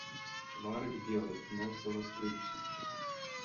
Тварык белы, нос завастрыўся.